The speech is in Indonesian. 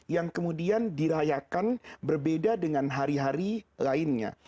yang kemudian dirayakan berbeda dengan hari hari lainnya